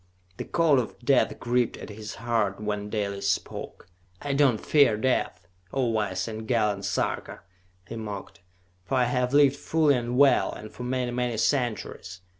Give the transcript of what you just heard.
The cold of death gripped at his heart when Dalis spoke. "I do not fear death, O wise and gallant Sarka!" he mocked. "For I have lived fully and well, and for many, many centuries!